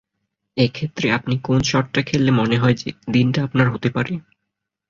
এ ক্ষেত্রে আপনি কোন শটটা খেললে মনে হয় যে, দিনটা আপনার হতে পারে?